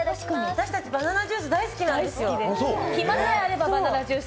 私たち、バナナジュース大好きなんですよ。